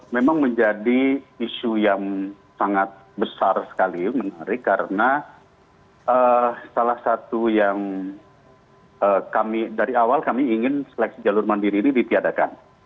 memang menjadi isu yang sangat besar sekali menarik karena salah satu yang kami dari awal kami ingin seleksi jalur mandiri ini ditiadakan